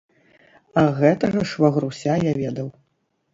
А гэтага швагруся я ведаў.